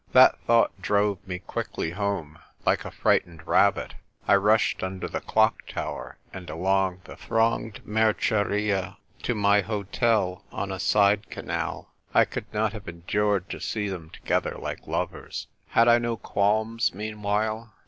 That thought drove me quickly home ; like a frightened rabbit, I rushed under the clock tower and along the thronged Merceria to my hotel on a side canal ; I could not have endured to see them together like lovers. Had I no qualms meanwhile